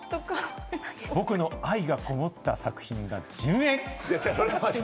僕の愛がこもった作品が１０円！